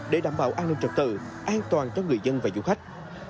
để đảm bảo an ninh trật tự an toàn cho người dân và du khách